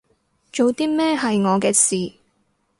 做啲咩係我嘅事